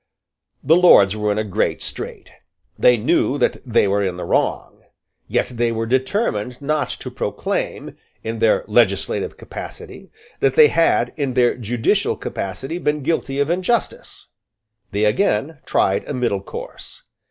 The Lords were in a great strait. They knew that they were in the wrong. Yet they were determined not to proclaim, in their legislative capacity, that they had, in their judicial capacity, been guilty of injustice. They again tried a middle course.